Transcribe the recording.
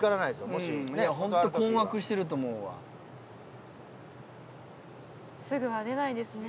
もしねいやホント困惑してると思うわすぐは出ないですね